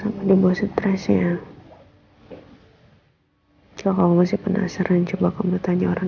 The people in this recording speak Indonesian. masih kepikiran suara md sayang